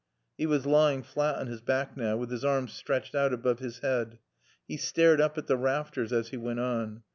He was lying flat on his back now, with his arms stretched out above his head. He stared up at the rafters as he went on.